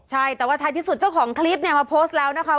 ใช่แต่ว่าท้ายที่สุดเจ้าของคลิปเนี่ยมาโพสต์แล้วนะคะ